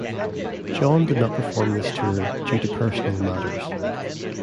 John did not perform this tour due to personal matters.